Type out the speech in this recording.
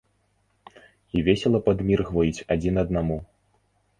І весела падміргваюць адзін аднаму.